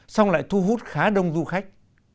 song lại thu hút khá đông du khách